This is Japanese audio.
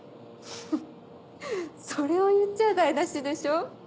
フフッそれを言っちゃあ台無しでしょ？